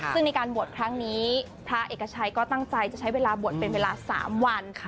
ซึ่งในการบวชครั้งนี้พระเอกชัยก็ตั้งใจจะใช้เวลาบวชเป็นเวลา๓วันค่ะ